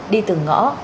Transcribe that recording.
đi từng ngõ gõ từng nhà